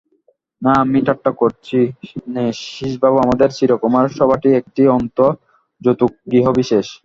না, আমি ঠাট্টা করছি নে শ্রীশবাবু, আমাদের চিরকুমার-সভাটি একটি আস্ত জতুগৃহবিশেষ।